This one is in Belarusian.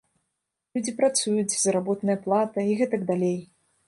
Людзі працуюць, заработная плата, і гэтак далей.